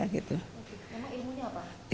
karena ilmunya apa